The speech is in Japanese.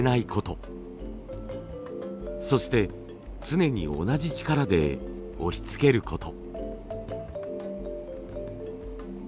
そして常に同じ力で押しつけること。